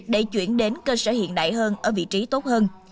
để chuyển đến cơ sở hiện đại hơn ở vị trí tốt hơn